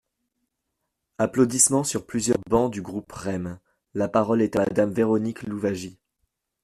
(Applaudissements sur plusieurs bancs du groupe REM.) La parole est à Madame Véronique Louwagie.